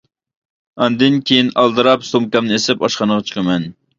ئاندىن كېيىن ئالدىراپ سومكامنى ئېسىپ ئاشخانىغا چىقىمەن.